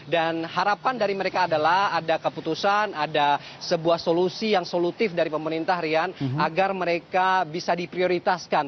dan harapan dari mereka adalah ada keputusan ada sebuah solusi yang solutif dari pemerintah agar mereka bisa di prioritaskan